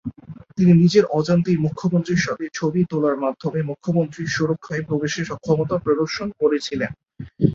তিনি নিজের অজান্তেই মুখ্যমন্ত্রীর সাথে ছবি তোলার মাধ্যমে মুখ্যমন্ত্রীর সুরক্ষায় প্রবেশের সক্ষমতা প্রদর্শন করেছিলেন।